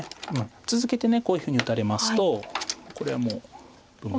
続けてこういうふうに打たれますとこれはもう部分的に。